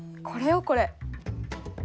これよこれ。